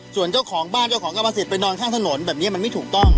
ส่วนเจ้าของบ้านเจ้าของกรรมสิทธิไปนอนข้างถนนแบบนี้มันไม่ถูกต้อง